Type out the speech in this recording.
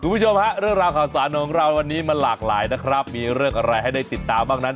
คุณผู้ชมฮะเรื่องราวข่าวสารของเราวันนี้มันหลากหลายนะครับมีเรื่องอะไรให้ได้ติดตามบ้างนั้น